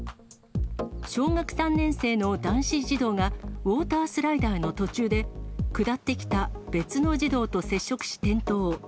小学３年生の男子児童が、ウォータースライダーの途中で、下ってきた別の児童と接触し転倒。